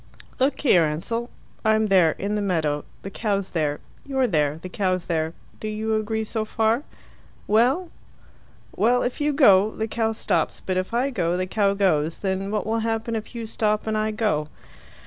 "Look here, Ansell. I'm there in the meadow the cow's there. You're there the cow's there. Do you agree so far?" "Well?" "Well, if you go, the cow stops; but if I go, the cow goes. Then what will happen if you stop and I go?"